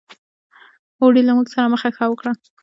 اوړي له موږ سره مخه ښه وکړل.